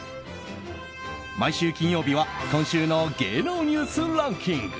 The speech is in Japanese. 毎週金曜日は今週の芸能ニュースランキング。